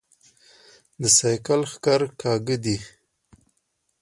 د سايکل ښکر کاژه دي